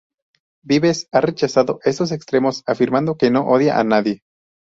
Vives ha rechazado estos extremos, afirmando que no odia a nadie.